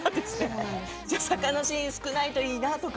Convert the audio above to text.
坂のシーン少ないといいなとか。